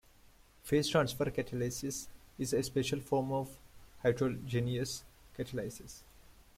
Phase-transfer catalysis is a special form of heterogeneous catalysis.